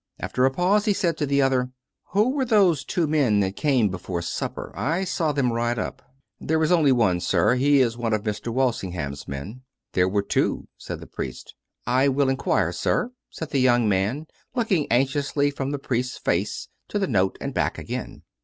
After a pause he said to the other: " Who were those two men that came before supper ? I saw them ride up." " There is only one, sir. He is one of Mr. Walsing ham's men." " There were two," said the priest. " I wilf inquire, sir," said the young man, looking anxiously from the priest's face to the note and back again.